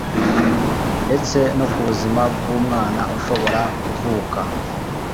ndetse no ku buzima bw’umwana ushobora kuvuka